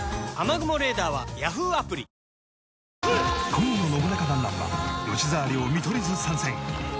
今夜の『ノブナカなんなん？』は吉沢亮見取り図参戦。